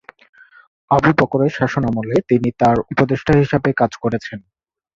আবু বকরের শাসনামলে তিনি তার উপদেষ্টা হিসেবে কাজ করেছেন।